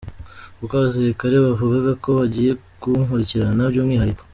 kuko abasirikare bavugaga ko bagiye kunkurikirana. by΄umwihariko.